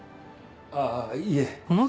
ああいいえ。